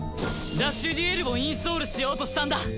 ラッシュデュエルをインストールしようとしたんだ。